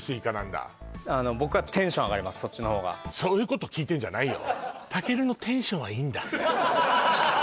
やっぱりそっちの方がそういうこと聞いてんじゃないよ